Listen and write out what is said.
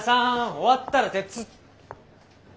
終わったらてつ。